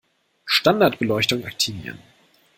Standardbeleuchtung aktivieren